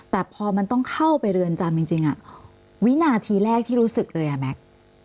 แต่พอมันต้องเข้าไปเรือนจำจริงวินาทีแรกที่รู้สึกเลยอ่ะแม็กซ์